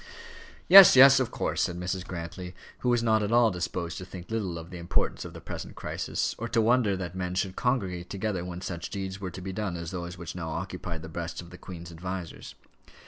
"Yes, yes, of course," said Mrs. Grantly, who was not at all disposed to think little of the importance of the present crisis, or to wonder that men should congregate together when such deeds were to be done as those which now occupied the breasts of the Queen's advisers.